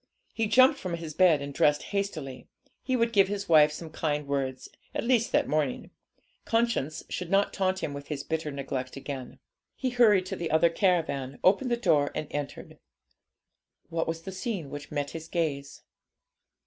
He jumped from his bed and dressed hastily. He would give his wife some kind words, at least that morning. Conscience should not taunt him with his bitter neglect again. He hurried to the other caravan, opened the door, and entered. What was the scene which met his gaze?